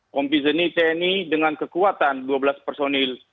pembi zini tni dengan kekuatan dua belas personil